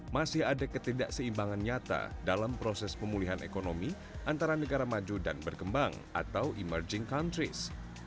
masih ada ketidakseimbangan nyata dalam proses pemulihan ekonomi antara negara maju dan berkembang atau emerging countries